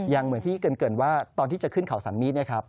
เหมือนที่เกินว่าตอนที่จะขึ้นเขาสันมีดเนี่ยครับ